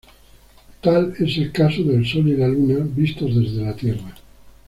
Tal es el caso del Sol y la Luna vistos desde la Tierra.